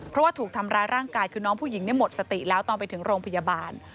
เพราะว่าถูกทำร้ายร่างกายคือน้องผู้หญิงหมดสติแล้วตอนไปถึงโรงพยาบาล